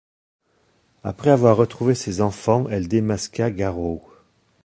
Après avoir retrouvé ses enfants, elle démasquera Garaud.